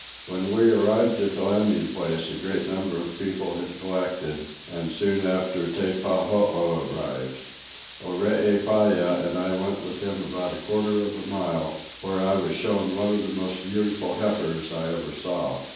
When we arrived at the landing place a great number of people had collected, and soon after Teppahoo arrived. Oreepyah and I went with him about a quarter of a mile, when I was shown one of the most beautiful heifers I ever saw.